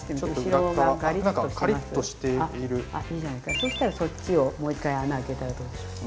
そしたらそっちをもう一回穴あけたらどうでしょうか。